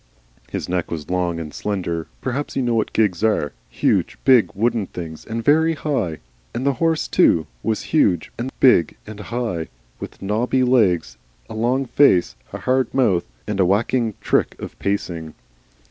His neck was long and slender. Perhaps you know what gigs are, huge, big, wooden things and very high and the horse, too, was huge and big and high, with knobby legs, a long face, a hard mouth, and a whacking trick of pacing.